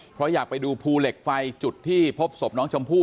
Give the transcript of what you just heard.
เพราะอยากไปดูภูเหล็กไฟจุดที่พบศพน้องชมพู่